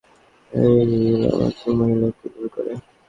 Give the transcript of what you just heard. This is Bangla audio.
এই লামাক দু মহিলাকে বিবাহ করে।